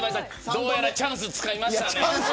どうやらチャンスつかみましたね。